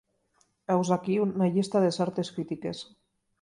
Heus aquí una llista de certes crítiques.